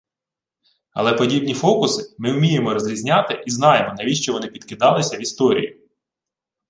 Але подібні фокуси ми вміємо розрізняти, і знаємо, навіщо вони підкидалися в історію